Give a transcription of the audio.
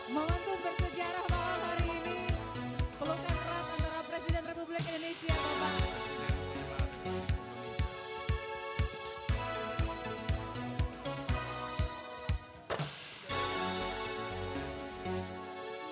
memantul bersejarah bahwa hari ini pelukan terat antara presiden republik indonesia membangun